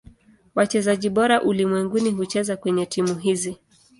Wachezaji bora ulimwenguni hucheza kwenye timu hizi.